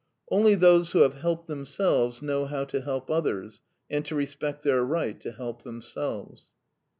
Only those who have helped themselves know how to help others, and to respect their right to help themselves.